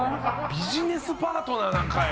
ビジネスパートナーなんかい。